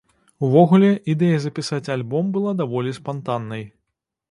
Увогуле, ідэя запісаць альбом была даволі спантаннай.